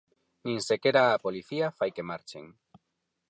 Nin sequera a policía fai que marchen.